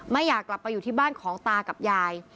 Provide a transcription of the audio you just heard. อยากกลับไปอยู่ที่บ้านของตากับยาย